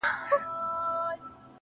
• تا څه کوئ اختر د بې اخترو په وطن کي.